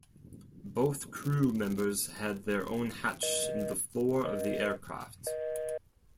Both crew-members had their own hatch in the floor of the aircraft.